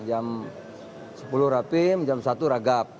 jam sepuluh rapim jam satu ragap